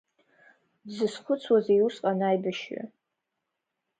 Дзызхәыцуазеи усҟан аибашьҩы?